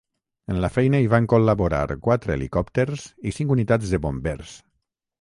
En la feina hi van col·laborar quatre helicòpters i cinc unitats de bombers.